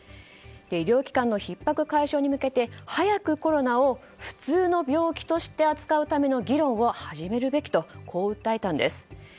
医療機関のひっ迫解消に向けて早くコロナを普通の病気として扱うための議論を始めるべきとこう訴えたんです。